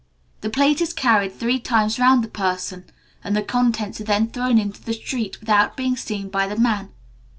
The plate is carried three times round the person, and the contents are then thrown into the street without being seen by the man.